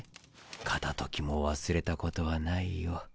片時も忘れたことはないよ。